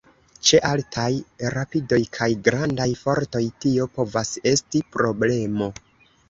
Ĉe altaj rapidoj kaj grandaj fortoj tio povas esti problemo.